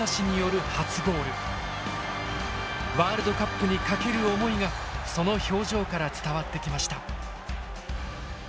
ワールドカップにかける思いがその表情から伝わってきました。